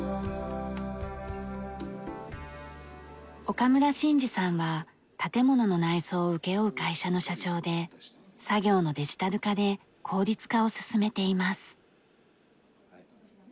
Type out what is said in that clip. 岡村真史さんは建物の内装を請け負う会社の社長で作業のデジタル化で効率化を進めています。